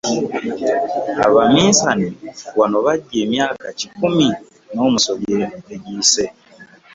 Abaminsani wano bajja emyaka kikumi n'omusobyo egiyise.